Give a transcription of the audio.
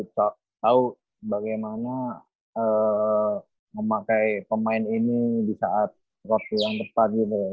tahu bagaimana memakai pemain ini di saat waktu yang tepat gitu